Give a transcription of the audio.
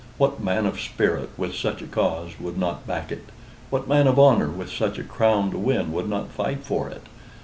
What man of spirit with such a cause would not back it? What man of honor with such a crown to win would not fight for it?